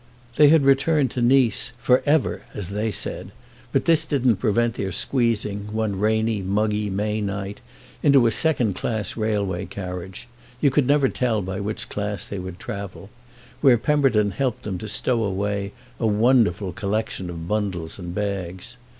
They had returned to Nice "for ever," as they said; but this didn't prevent their squeezing, one rainy muggy May night, into a second class railway carriage—you could never tell by which class they would travel—where Pemberton helped them to stow away a wonderful collection of bundles and bags.